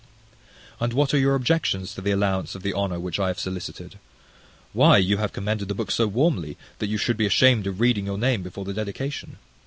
And what are your objections to the allowance of the honour which I have sollicited? Why, you have commended the book so warmly, that you should be ashamed of reading your name before the dedication.